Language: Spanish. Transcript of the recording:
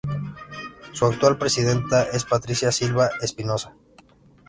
Su actual presidenta es Patricia Silva Espinosa.